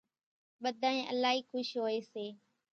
ٻڌانئين الائي کُش ھوئي سي